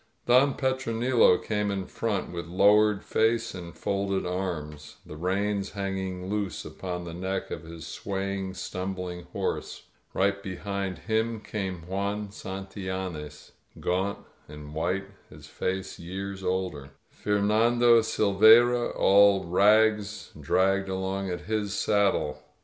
Don Petronilo came in front, with lowered face and folded arms, the reins hanging loose upon the neck of his swaying, stumbUng horse. Right behind him came Juan Santillanes, gaunt and white, his face years older. Fernando Silveyra, all rags, dragged along at his saddle.